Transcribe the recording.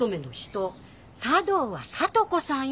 茶道は聡子さんよ。